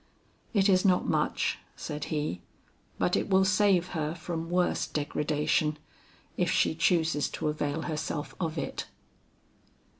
'It is not much,' said he, 'but it will save her from worse degradation if she chooses to avail herself of it.'